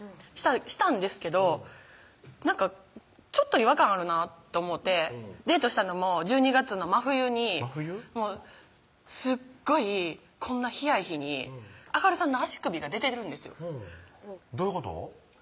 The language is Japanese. したんですけどなんかちょっと違和感あるなと思ってデートしたのも１２月の真冬にすっごいこんな冷やい日に亜嘉瑠さんの足首が出てるんですどういうこと？